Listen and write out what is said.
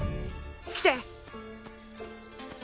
来て！